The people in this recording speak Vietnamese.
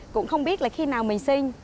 cũng không biết là khi nào mình sinh